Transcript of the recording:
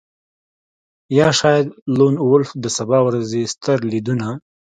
یا شاید لون وولف د سبا ورځې ستر لیدونه